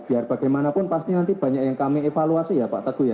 biar bagaimanapun pasti nanti banyak yang kami evaluasi ya pak teguh ya